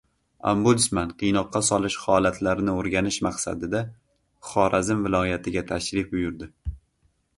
Ombudsman qiynoqqa solish holatlarini o‘rganish maqsadida Xorazm viloyatiga tashrif buyurdi